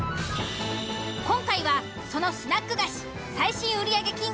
今回はそのスナック菓子最新売り上げ金額